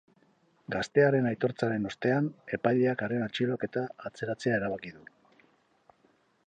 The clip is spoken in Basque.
Gaztearen aitortzaren ostean, epaileak haren atxiloketa atzeratzea erabaki du.